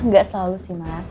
gak selalu sih mas